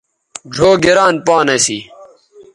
ڙھؤ گران پان اسی